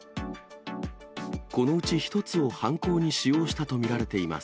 このうち１つを犯行に使用したと見られています。